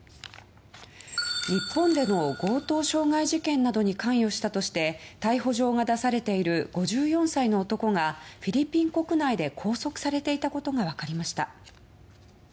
日本での強盗傷害事件などに関与したとして逮捕状が出ている５４歳の男がフィリピン国内で拘束されていたことが分かりました。